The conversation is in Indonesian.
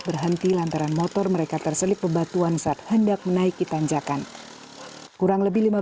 berhenti lantaran motor mereka terselip pebatuan saat hendak menaiki tanjakan kurang lebih lima belas